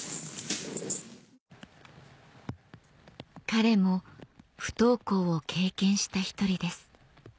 彼も不登校を経験した一人です